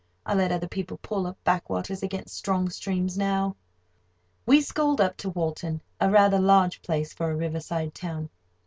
I let other people pull up backwaters against strong streams now. We sculled up to Walton, a rather large place for a riverside town.